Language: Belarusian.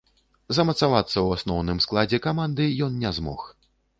Замацавацца ў асноўным складзе каманды ён не змог.